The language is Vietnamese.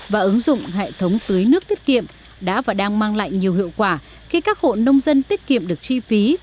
và ứng dụng hệ thống tưới nước tiết kiệm đã và đang mang lại nhiều hiệu quả khi các hộ nông dân tiết kiệm được chi phí